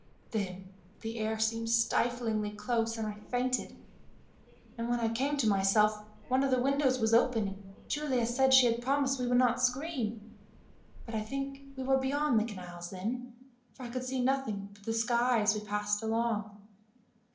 Then the air seemed stiflingly close, and I fainted; and when I came to myself one of the windows was open, and Giulia said she had promised we would not scream, but I think we were beyond the canals then, for I could see nothing but the sky as we passed along.